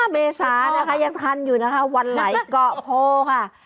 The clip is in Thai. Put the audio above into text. เมษานะคะยังทันอยู่นะคะวันไหนเกาะโพค่ะ